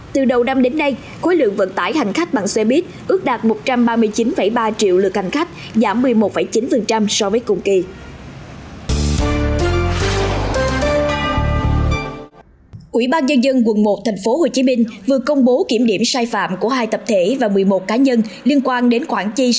từ đầu năm đến nay khối lượng vận tải hành khách bằng xe buýt ước đạt một trăm ba mươi chín ba triệu lượt hành khách giảm một mươi một chín so với cùng kỳ